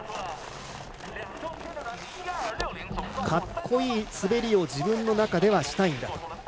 格好いい滑りを自分の中ではしたいんだ。